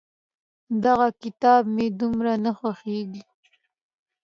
دغه کتاب مې دومره نه خوښېږي.